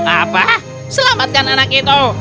apa selamatkan anak itu